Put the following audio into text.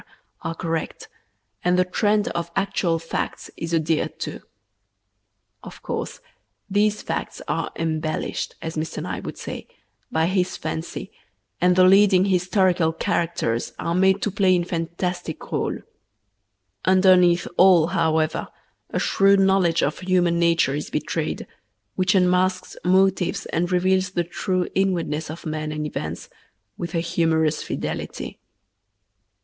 are correct, and the trend of actual facts is adhered to. Of course, these facts are "embellished," as Mr. Nye would say, by his fancy, and the leading historical characters are made to play in fantastic rôles. Underneath all, however, a shrewd knowledge of human nature is betrayed, which unmasks motives and reveals the true inwardness of men and events with a humorous fidelity.